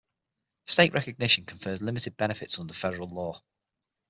State recognition confers limited benefits under federal law.